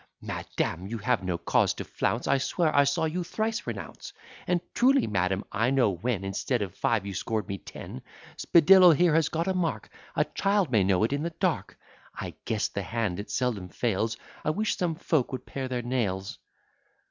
"Madam, you have no cause to flounce, I swear I saw you thrice renounce." "And truly, madam, I know when Instead of five you scored me ten. Spadillo here has got a mark; A child may know it in the dark: I guess'd the hand: it seldom fails: I wish some folks would pare their nails."